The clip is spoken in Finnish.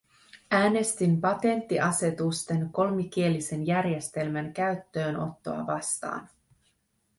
Äänestin patenttiasetusten kolmikielisen järjestelmän käyttöönottoa vastaan.